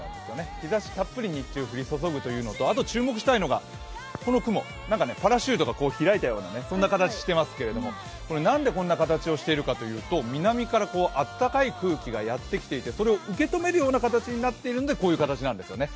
日ざしたっぷり日中降り注ぐというのとあと注目したいのが、この雲なんかパラシュートが開いたような形をしていますけど何でこんな形をしているかというと南からあったかい空気がやってきていてそれを受け止めるような形になっているので、こういう形なんですね